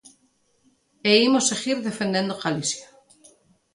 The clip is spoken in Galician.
E imos seguir defendendo Galicia.